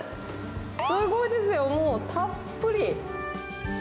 すごいですよ、もうたっぷり。